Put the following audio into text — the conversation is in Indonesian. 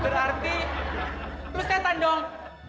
berarti lo setan dong